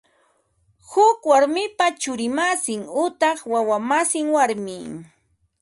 Huk warmipa churi masin utaq wawa masin warmi